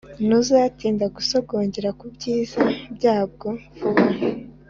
ntuzatinda gusogongera ku byiza byabwo vuba